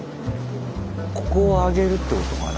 ここを上げるってことかな？